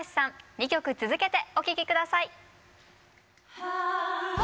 ２曲続けてお聴き下さい。